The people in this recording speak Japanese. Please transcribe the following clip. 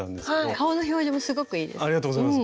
顔の表情もすごくいいです。